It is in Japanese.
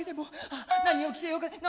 ああなにを着せようか。